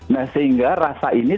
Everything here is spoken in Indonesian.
nah sehingga rasa ini